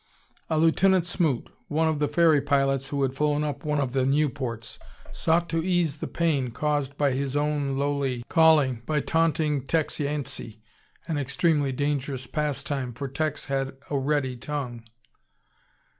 A Lieutenant Smoot, one of the ferry pilots who had flown up one of the Nieuports, sought to ease the pain caused by his own lowly calling by taunting Tex Yancey an extremely dangerous pastime, for Tex had a ready tongue.